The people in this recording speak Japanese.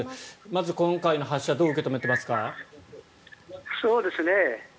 まず今回の発射どう受け止めていますか？